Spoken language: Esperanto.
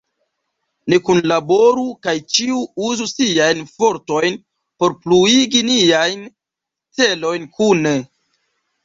Ni kunlaboru kaj ĉiu uzu siajn fortojn por pluigi niajn celojn kune.